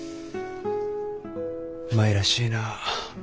舞らしいな。